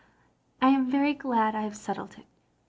I am very glad I have settled it.